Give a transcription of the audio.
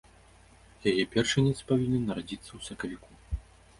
Яе першынец павінен нарадзіцца ў сакавіку.